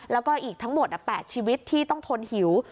แล้วก็อีกทั้งหมด๘ชีวิตที่ต้องทนหิว